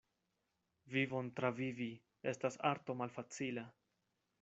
Vivon travivi estas arto malfacila.